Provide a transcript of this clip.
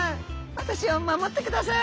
私を守ってください！」。